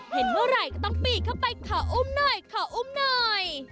เห็นเมื่อไหร่ก็ต้องปีกเข้าไปขออุ้มหน่อยขออุ้มหน่อย